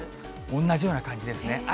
同じような感じですね。